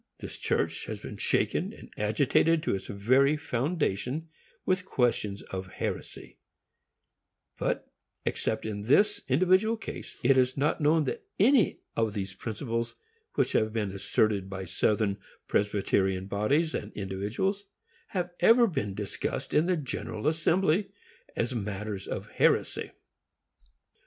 This church has been shaken and agitated to its very foundation with questions of heresy; but, except in this individual case, it is not known that any of these principles which have been asserted by Southern Presbyterian bodies and individuals have ever been discussed in its General Assembly as matters of heresy.